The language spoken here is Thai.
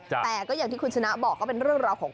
แต่ก็อย่างที่คุณชนะบอกก็เป็นเรื่องราวของ